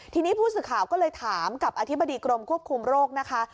ทีนี้ผู้สื่อข่าวก็เลยถามกับอธิบดีกรมควบคุมโรคนะคะ